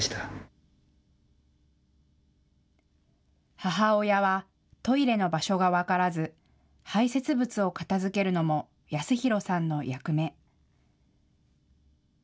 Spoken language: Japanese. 母親はトイレの場所が分からず、排せつ物を片づけるのも康弘さんの役目。